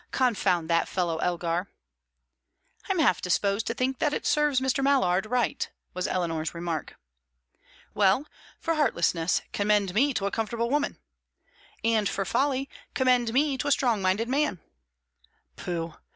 Confound that fellow Elgar!" "I'm half disposed to think that it serves Mr. Mallard right," was Eleanor's remark. "Well, for heartlessness commend me to a comfortable woman." "And for folly commend me to a strong minded man." "Pooh!